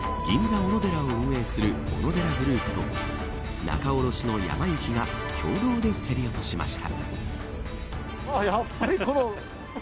おのでらを運営するオノデラグループと仲卸のやま幸が共同で競り落としました。